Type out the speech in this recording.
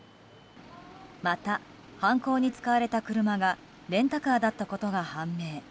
また、犯行に使われた車がレンタカーだったことが判明。